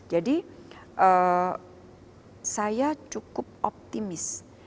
jadi saya cukup optimis